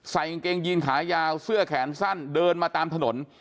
กางเกงยีนขายาวเสื้อแขนสั้นเดินมาตามถนน